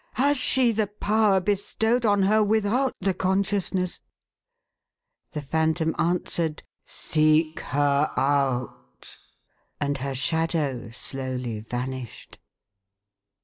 " Has she the power bestowed on her without the conscious ness ?" The Phantom answered :" Seek her out."" And her shadow slowly vanished.